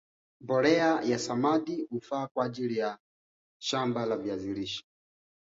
Hakikisha wanyama wapya wanaoingia kwenye kundi lako la mifugo wamechanjwa